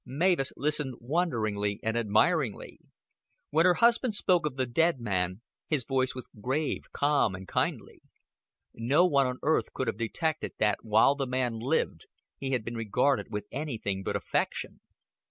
Mavis listened wonderingly and admiringly. When her husband spoke of the dead man, his voice was grave, calm and kindly. No one on earth could have detected that while the man lived, he had been regarded with anything but affection.